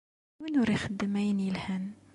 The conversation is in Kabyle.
Yiwen ur ixeddem ayen yelhan.